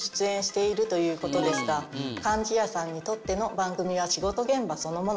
貫地谷さんにとっての番組は仕事現場そのもの。